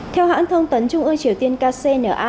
theo hãng thông tấn trung ương triều tiên kcna